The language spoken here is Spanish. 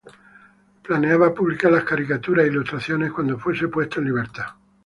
Planeaba publicar las caricaturas e ilustraciones cuando fuese puesto en libertad.